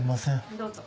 どうぞ。